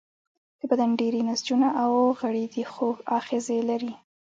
د بدن ډیری نسجونه او غړي د خوږ آخذې لري.